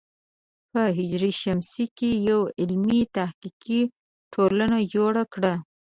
په ه ش کې یوه علمي تحقیقي ټولنه جوړه کړه.